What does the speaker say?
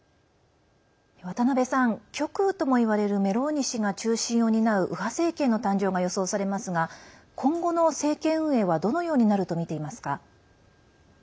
渡辺さん、極右ともいわれるメローニ氏が中心を担う右派政権の誕生が予想されますが今後の政権運営はどのようになると見ていますか。